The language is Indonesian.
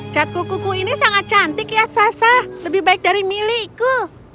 cat kuku ku ini sangat cantik ya sasa lebih baik dari milikku